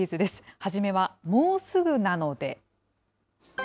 初めはもうすぐなので。